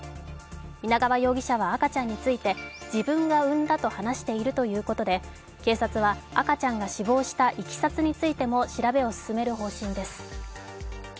皆川容疑者は赤ちゃんについて自分が産んだと話しているということで警察は赤ちゃんが死亡したいきさつについても調べを進める方針です。